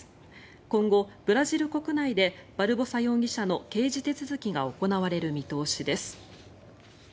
今後、ブラジル国内でバルボサ容疑者の刑事手続きが行われる見通しです。